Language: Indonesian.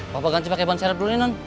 bapak ganti pakai ban serep dulu non